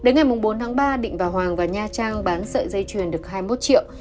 ngày bốn tháng ba định và hoàng và nha trang bán sợi dây truyền được hai mươi một triệu